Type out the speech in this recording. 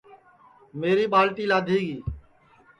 میری ٻالٹی لادھی گی